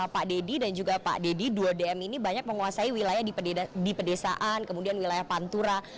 pak deddy dan juga pak deddy dua dm ini banyak menguasai wilayah di pedesaan kemudian wilayah pantura